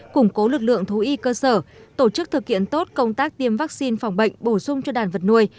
củng cố lực lượng thú y cơ sở tổ chức thực hiện tốt công tác tiêm vaccine phòng bệnh bổ sung cho đàn vật nuôi